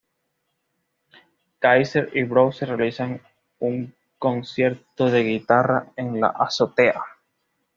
Kaiser y Bowser realizan un concierto de guitarra en la azotea.